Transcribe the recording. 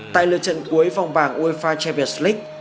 tại lượt trận cuối vòng bảng uefa champions league